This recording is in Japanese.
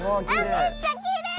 めっちゃきれい！